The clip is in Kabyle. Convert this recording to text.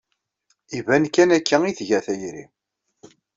Iban kan akka i tga tayri.